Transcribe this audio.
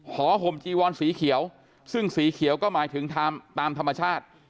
ห่มจีวอนสีเขียวซึ่งสีเขียวก็หมายถึงทำตามธรรมชาติ